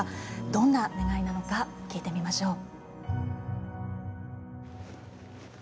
どんな願いなのか聞いてみましょう。